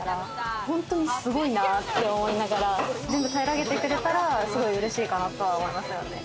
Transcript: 本当にすごいなって思いながら全部平らげてくれたらすごい嬉しいかなとは思います。